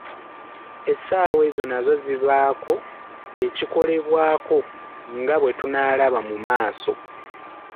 Essaawa ezo nazo zibaako ekikolebwako nga bwe tunaalaba mu maaso.